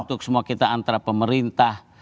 untuk semua kita antara pemerintah